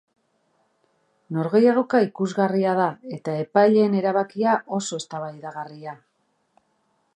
Norgehiagoka ikusgarria da eta epaileen erabakia oso eztabaidagarria.